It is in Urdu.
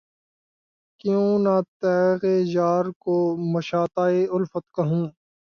کیوں نہ تیغ یار کو مشاطۂ الفت کہوں